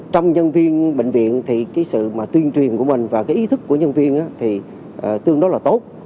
trong nhân viên bệnh viện thì sự tuyên truyền của mình và ý thức của nhân viên tương đối là tốt